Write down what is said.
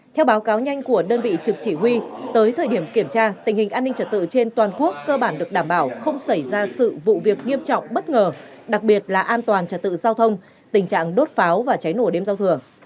theo báo cáo nhanh của đơn vị trực chỉ huy tới thời điểm kiểm tra tình hình an ninh trật tự trên toàn quốc cơ bản được đảm bảo không xảy ra sự vụ việc nghiêm trọng bất ngờ đặc biệt là an toàn trật tự giao thông tình trạng đốt pháo và cháy nổ đêm giao thừa